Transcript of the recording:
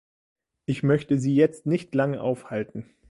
Ich möchte Sie jetzt nicht lange aufhalten.